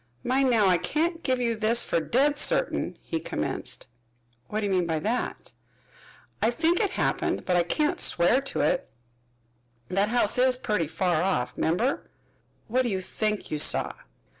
"Mind now, I can't give you this fer dead certain," he commenced. "What do you mean by that?" "I think it happened, but I can't swear to it. That house is putty far off, remember." "What do you think you saw?"